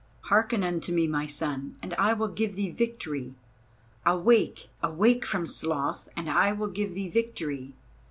Hearken unto me, my son, and I will give thee victory. Awake, awake from sloth, and I will give thee victory.